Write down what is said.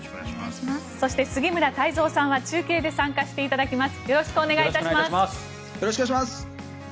そして杉村太蔵さんは中継で参加していただきます。